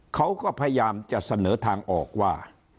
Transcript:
เขาก็พยายามจะเสนอทางออกว่า